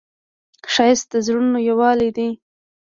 ښایست د زړونو یووالی دی